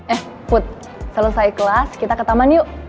eh food selesai kelas kita ke taman yuk